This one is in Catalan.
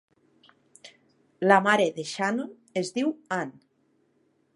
La mare de Shannon es diu Ann.